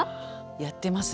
やってますね。